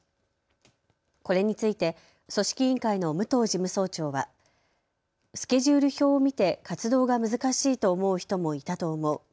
これについて組織委員会の武藤事務総長はスケジュール表を見て活動が難しいと思う人もいたと思う。